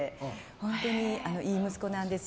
本当にいい息子なんです。